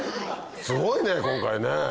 すごいね今回ね！